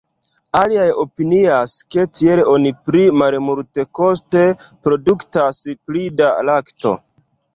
Aliaj opinias, ke tiel oni pli malmultekoste produktas pli da lakto.